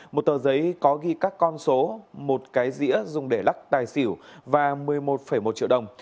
một tờ giấy có ghi các con số một cái dĩa dùng để lắc tài xỉu và một mươi một một triệu đồng